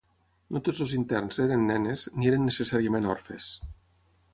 No tots els interns eren nenes, ni eren necessàriament orfes.